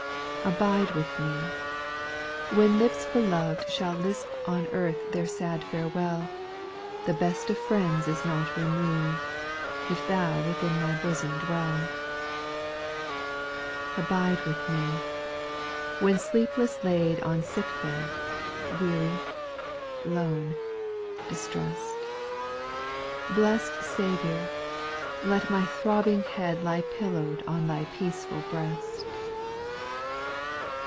2. " Abide with me " when lips beloved Shall lisp on earth their sad farewell ; The best of friends is not removed, If Thou within my bosom dwell. 3. " Abide with me " when sleepless laid On sick bed — weary — lone — distressed ; Bless'd Saviour I let my throbbing head Lie pillow'd on Thy peaceful breast.